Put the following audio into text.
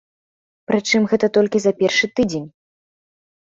Прычым, гэта толькі за першы тыдзень.